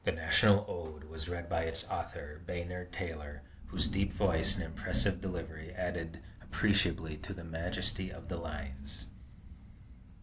"The National Ode" was read by its author, Bayard Taylor, whose deep voice and impressive delivery added appreciably to the majesty of the lines.